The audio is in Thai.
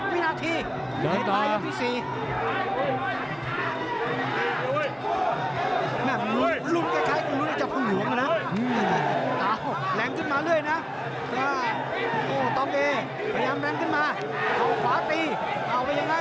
มันอากาศตรงนู้นคึกขับแล้วตรงแก้วขวาเตะ